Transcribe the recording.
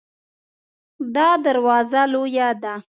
دا دروازه لویه ده